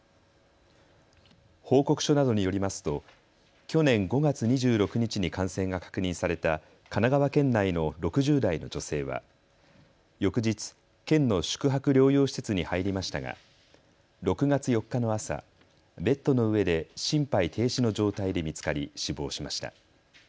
報告書などによりますと去年５月２６日に感染が確認された神奈川県内の６０代の女性は翌日、県の宿泊療養施設に入りましたが６月４日の朝、ベッドの上で心肺停止の状態で見つかり死亡しました。